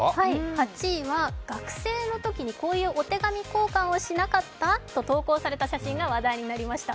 ８位は学生のときに、こういうお手紙交換をしなかった？という投稿された写真が話題になりました。